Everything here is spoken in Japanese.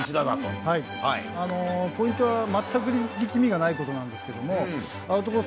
ポイントは、全く力みがないことなんですけども、アウトコース